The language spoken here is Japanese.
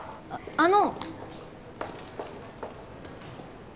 あの！